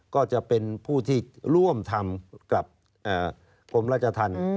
ก็จะเป็นผู้ที่ร่วมทำกับกรมราชธรรม